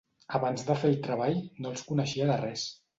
Abans de fer el treball, no els coneixia de res.